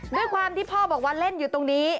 ด้วยความที่พ่อบอกว่าเล่นอยู่ตรงนี้